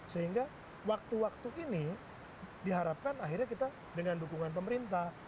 sehingga waktu waktu ini diharapkan akhirnya kita dengan dukungan pemerintah